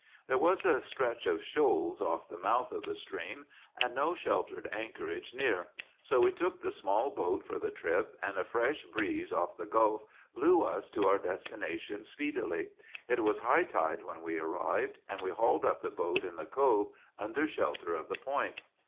"There was a stretch of shoals off the mouth of the stream, and no sheltered anchorage near; so we took the small boat for the trip, and a fresh breeze off the gulf blew us to our destination speedily. It was high tide when we arrived; and we hauled up the boat in the cove, under shelter of the point.